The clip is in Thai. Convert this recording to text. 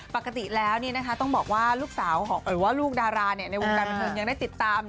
ปกติแล้วต้องบอกว่าลูกสาวหรือว่าลูกดาราในวงการบันเทิงยังได้ติดตาม